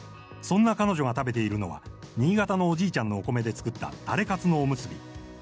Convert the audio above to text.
そんな彼女が食べているのは新潟のおじいちゃんが作ったタレかつのお結び。